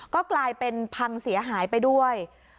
ก็กลายเป็นพังเสียหายไปด้วย